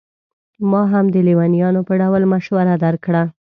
ما هم د لېونیانو په ډول مشوره درکړه.